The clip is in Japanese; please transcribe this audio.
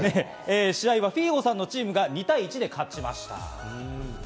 試合はフィーゴさんのチームが２対１で勝ちました。